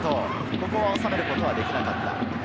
ここを収めることはできなかった。